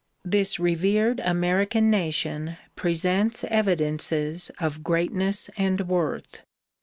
This revered American nation presents evidences of greatness and worth.